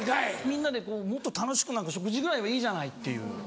みんなでもっと楽しく食事ぐらいはいいじゃないっていう。